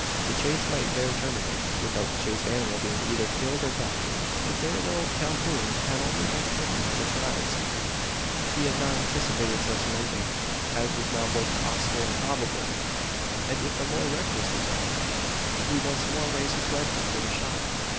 The chase might there terminate, without the chased animal being either killed or captured. Hitherto Calhoun had only been thinking of a trial of speed. He had not anticipated such an ending, as was now both possible and probable; and with a more reckless resolve, he once more raised his rifle for the shot.